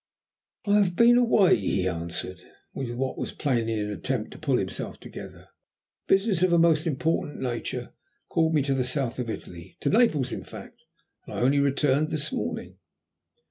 "I have been away," he answered, with what was plainly an attempt to pull himself together. "Business of a most important nature called me to the south of Italy, to Naples in fact, and I only returned this morning."